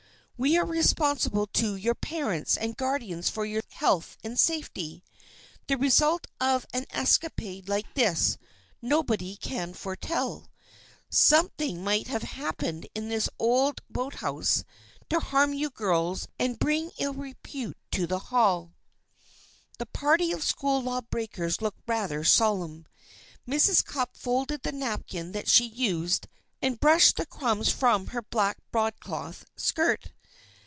We are responsible to your parents and guardians for your health and safety. The result of an escapade like this nobody can foretell. Something might have happened in this old boathouse to harm you girls and bring ill repute to the Hall." The party of school law breakers looked rather solemn. Mrs. Cupp folded the napkin she had used and brushed the crumbs from her black broadcloth skirt.